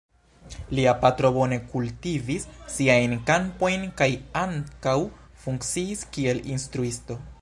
Lia patro bone kultivis siajn kampojn kaj ankaŭ funkciis kiel instruisto.